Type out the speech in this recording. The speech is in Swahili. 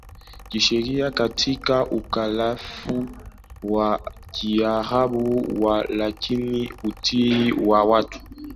kisheria katika Ukhalifa wa Kiarabu Walakini utii wa watu